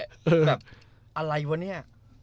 แบบอะไรวะเนี่ย